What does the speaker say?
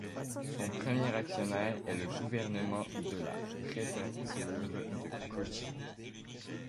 Son premier actionnaire est le gouvernement de la préfecture de Kōchi.